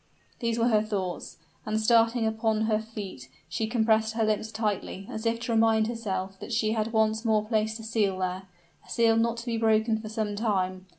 These were her thoughts: and starting upon her feet, she compressed her lips tightly, as if to remind herself that she had once more placed a seal there, a seal not to be broken for some time.